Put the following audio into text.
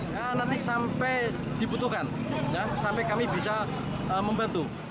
nanti sampai dibutuhkan sampai kami bisa membantu